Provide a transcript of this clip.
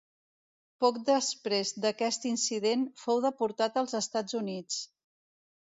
Poc després d'aquest incident, fou deportat als Estats Units.